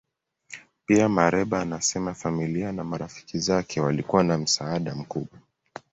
Pia, Mereba anasema familia na marafiki zake walikuwa na msaada mkubwa.